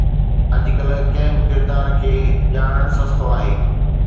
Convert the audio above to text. اڄڪلهه ڪنهن به ڪردار کي ڄاڻڻ سستو آهي